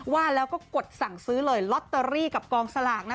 ว่าแล้วก็กดสั่งซื้อเลยลอตเตอรี่กับกองสลากนะ